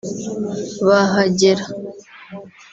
bahagera